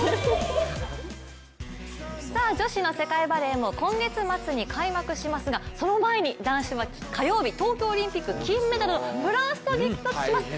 女子の世界バレーも今月末に開幕しますがその前に男子も火曜日、東京オリンピック金メダルのフランスと激突します。